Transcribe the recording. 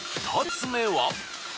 ２つ目は？